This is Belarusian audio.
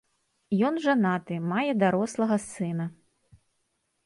Ён жанаты, мае дарослага сына.